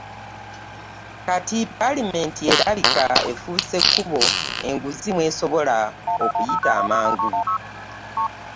Kati ppaalamenti erabika efuuse kkubo enguzi mwesobola okuyita amangu.